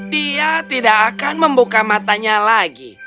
dia tidak akan membuka matanya lagi